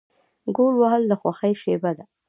ګول وهل د خوښۍ شیبه وي.